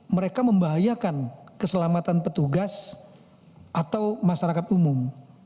mereka membahayakan keselamatan petugas atau masyarakat umum